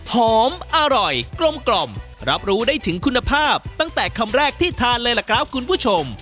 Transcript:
หอมอร่อยกลมรับรู้ได้ถึงคุณภาพตั้งแต่คำแรกที่ทานเลยล่ะครับคุณผู้ชม